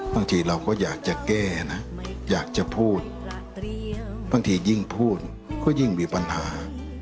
บางทีเราก็อยากจะแก้นะอยากจะพูดบางทียิ่งพูดก็ยิ่งมีปัญหา